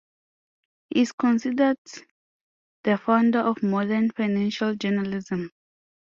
He is considered the founder of modern financial journalism.